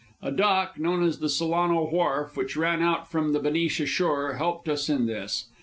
A dock, known as the Solano Wharf, which ran out from the Benicia shore, helped us in this.